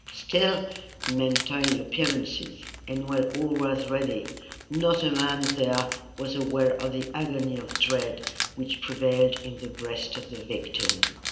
Still he maintained appearances, and when all was ready, not a man there was aware of the agony of dread which prevailed in the breast of the victim.